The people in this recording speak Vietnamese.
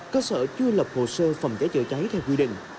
cơ sở chưa lập hồ sơ phòng chế chất cháy theo quy định